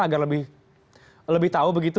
agar lebih tahu begitu